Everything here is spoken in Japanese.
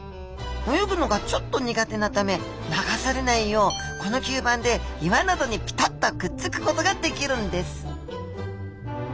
泳ぐのがちょっと苦手なため流されないようこの吸盤で岩などにピタッとくっつくことができるんです